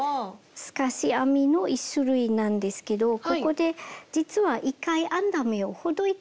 透かし編みの１種類なんですけどここで実は１回編んだ目をほどいて作ります。